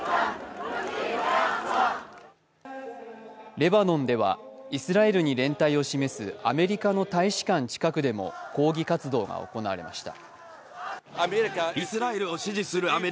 レバノンではイスラエルに連帯を示すアメリカの大使館近くでも抗議活動が行われました。